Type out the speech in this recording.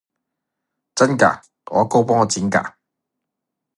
真㗎？我阿哥幫我剪㗎！